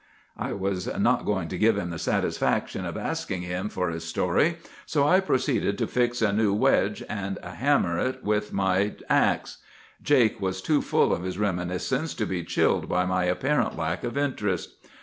"I was not going to give him the satisfaction of asking him for his story, so I proceeded to fix a new wedge, and hammer it in with my axe. Jake was too full of his reminiscence to be chilled by my apparent lack of interest.